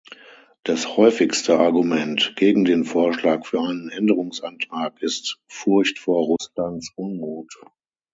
Das häufigste Argument gegen den Vorschlag für einen Änderungsantrag ist Furcht vor Russlands Unmut.